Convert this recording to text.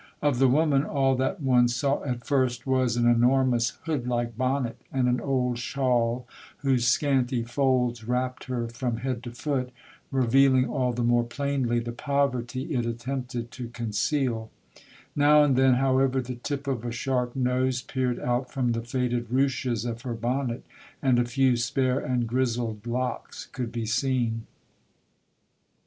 Of the woman all that one saw at first was an enormous hood like bonnet and an old shawl whose scanty folds wrapped her from head to foot, revealing all the more plainly the poverty it attempted to conceal; now and then, however, the tip of a sharp nose peered out from the faded ruches of her bonnet, and a few spare and grizzled locks could be seen.